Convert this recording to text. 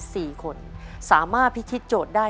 สี่คนสามารถพิธีโจทย์ได้